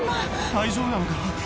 大丈夫なのか？